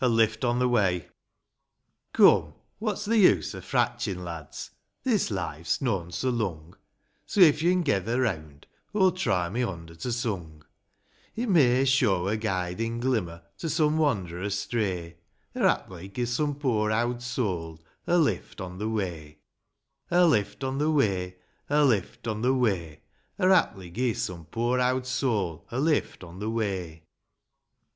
gl pft on the m^u OME, what's th' use o' fratchin',' lads, this life's noan so lung, So, if yo'n gether reawnd, aw'll try my hond at a It may shew a guidin' glimmer to some wand'rer astray, Or, haply, gi' some poor ovvd soul a lift on the way : A lift on the way ; A lift on the way ; Or, haply, gi' some poor owd soul a lift on the way, II.